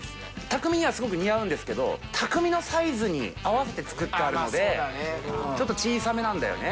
たくみにはすごい似合うんですけど、たくみのサイズに合わせて作ったので、ちょっと小さめなんだよね。